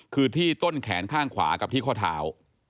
คือที่ต้นแขนข้างขวากับที่ข้อเท้า